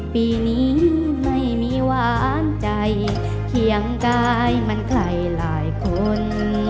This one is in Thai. ปีนี้ไม่มีหวานใจเคียงกายมันใครหลายคน